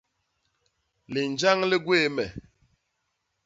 Linjañ li gwéé me.